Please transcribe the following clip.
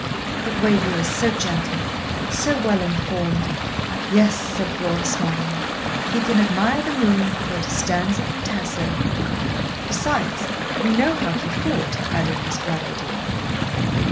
But Waverley is so gentle, so well informed ' 'Yes,' said Flora, smiling, 'he can admire the moon and quote a stanza from Tasso.' 'Besides, you know how he fought,' added Miss Bradwardine.